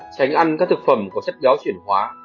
tránh ăn các thực phẩm có chất béo chuyển hóa